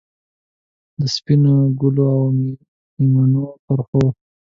د سپینو ګلو، اومیینو پرخو،